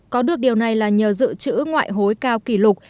có được điều này là nhờ dự trữ ngoại hối cao kỷ lục